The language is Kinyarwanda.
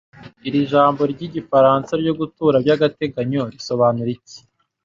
Iri jambo ry'igifaransa ryo gutura by'agateganyo risobanura iki?